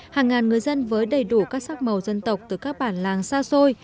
hàng ngàn người dân với đầy đủ các sắc màu dân tộc từ các bản làng xa xôi